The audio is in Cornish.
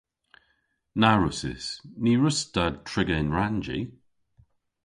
Na wrussys. Ny wruss'ta triga yn rannji.